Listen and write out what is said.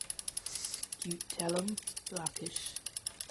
Scutellum blackish.